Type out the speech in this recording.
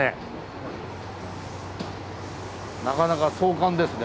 なかなか壮観ですね